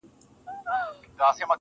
نژدې ورغلم,